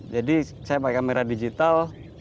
jadi saya pakai kamera digital